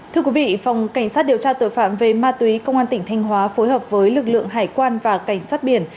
thưa quý vị phòng cảnh sát điều tra tội phạm về ma túy công an tỉnh thanh hóa phối hợp với lực lượng hải quan và cảnh sát biển